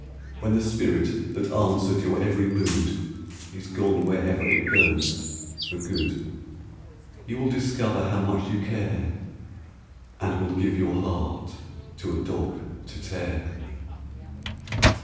When the spirit that answered your every mood Is gone wherever it goes for good, You will discover how much you care, And will give your heart to a dog to tear!